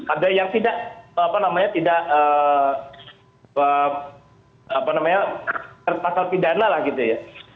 ada yang tidak apa namanya tidak apa namanya pasal pidana lah gitu ya